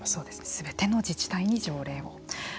すべての自治体に条例を。